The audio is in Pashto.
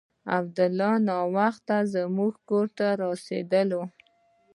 عبدالله نن ناوخته زموږ کور ته راورسېد.